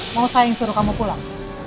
mau saya yang suruh kamu pulang